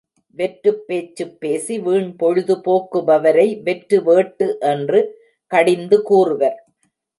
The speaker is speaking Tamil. வெற்றுப்பேச்சுப் பேசி வீண்பொழுது போக்குபவரை வெற்று வேட்டு என்று கடிந்து கூறுவர்.